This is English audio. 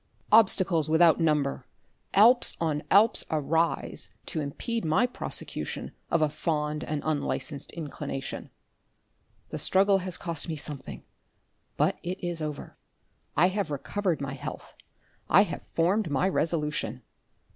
Obstacles without number, Alps on Alps arise, to impede my prosecution of a fond and unlicensed inclination. The struggle has cost me something, but it is over. I have recovered my health, I have formed my resolution.